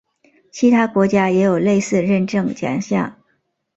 其他国家也有类似认证奖项。